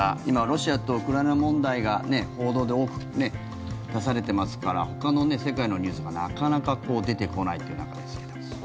今、ロシアとウクライナ問題が報道で多く出されてますからほかの世界のニュースがなかなか出てこないという中ですけども。